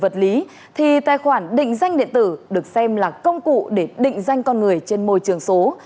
vật lý thì tài khoản định danh điện tử được xem là công cụ để định danh con người trên môi trường số